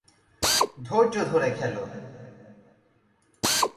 ধৈর্য ধরে খেল।